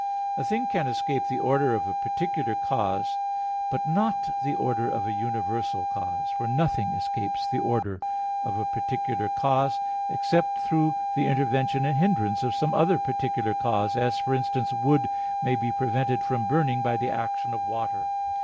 A thing can escape the order of a particular cause; but not the order of a universal cause. For nothing escapes the order of a particular cause, except through the intervention and hindrance of some other particular cause; as, for instance, wood may be prevented from burning, by the action of water.